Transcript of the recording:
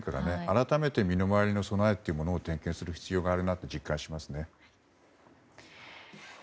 改めて、身の回りの備えを点検する必要があるなと実感しますよね。